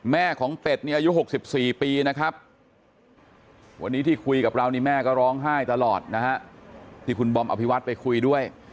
แม่ของเป็ดนี่อายุ๖๔ปีนะครับวันนี้ที่คุยกับเรานี่แม่ก็ร้องไห้ตลอดนะฮะที่คุณบอมอภิวัตไปคุยด้วย